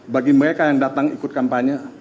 bagi mereka yang datang ikut kampanye